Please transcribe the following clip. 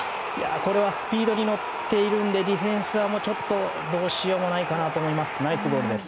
これはスピードに乗っているのでディフェンスは、どうしようもないかなと思います。